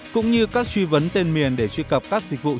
cũng như các truy vấn tên miền để truy cập các dịch vụ trực tiếp